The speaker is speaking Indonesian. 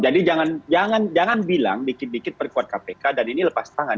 jadi jangan jangan jangan bilang dikit dikit perkuat kpk dan ini lepas tangan